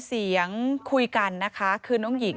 ที่อ๊อฟวัย๒๓ปี